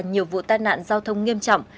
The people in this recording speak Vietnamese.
nhiều vụ tai nạn giao thông nghiêm trọng